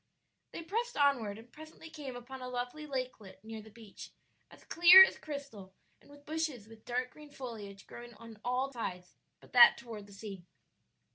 They pressed onward and presently came upon a lovely lakelet near the beach, as clear as crystal and with bushes with dark green foliage growing on all sides but that toward the sea.